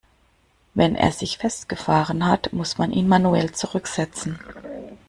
Wenn er sich festgefahren hat, muss man ihn manuell zurücksetzen.